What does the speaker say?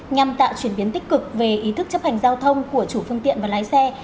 nhằm tạo chuyển biến tích cực về ý thức chấp hành giao thông của chủ phương tiện và lái xe